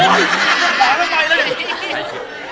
โอ๊ยโอ๊ยหลายไปเลย